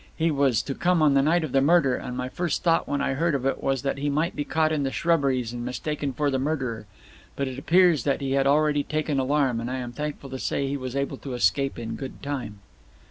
He was to come on the night of the murder, and my first thought when I heard of it was that he might be caught in the shrubberies and mistaken for the murderer. But it appears that he had already taken alarm, and I am thankful to say he was able to escape in good time."